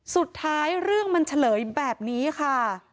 สุดท้ายเรื่องมันเฉลยแบบนี้ค่ะ